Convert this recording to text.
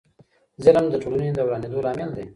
ظلم د ټولني د ورانیدو لامل دی.